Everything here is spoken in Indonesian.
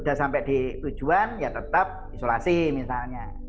sudah sampai di tujuan ya tetap isolasi misalnya